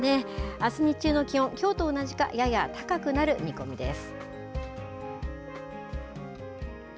あす日中の気温きょうと同じかやや高くなる見込みです。